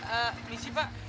eh misi pak